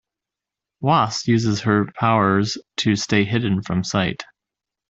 Wasp uses her powers to stay hidden from sight.